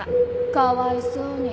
かわいそうに。